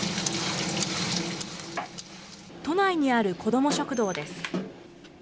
都内にある子ども食堂です。